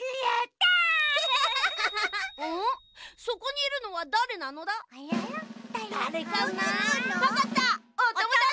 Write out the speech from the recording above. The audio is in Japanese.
そこにいるのはだれなのだ？